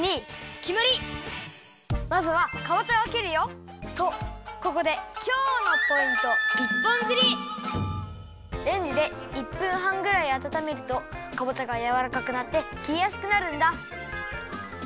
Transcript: まずはかぼちゃをきるよ。とここでレンジで１分はんぐらいあたためるとかぼちゃがやわらかくなってきりやすくなるんだ。